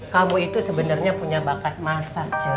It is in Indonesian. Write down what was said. kamu itu sebenarnya punya bakat massa cek